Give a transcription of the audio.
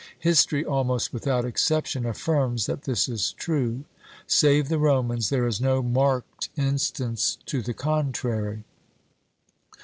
History almost without exception affirms that this is true. Save the Romans, there is no marked instance to the contrary.